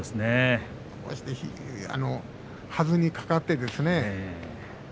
はずにかかってですね。